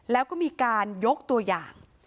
แล้วก็มีการยกตัวอย่าง